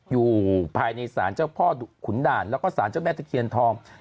อยู่ภายในศาลเจ้าพ่อขุนด่านแล้วก็สารเจ้าแม่ตะเคียนทอง